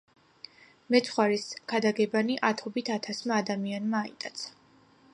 მეცხვარის ქადაგებანი ათობით ათასმა ადამიანმა აიტაცა.